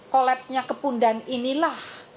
kolapsnya kepundan inilah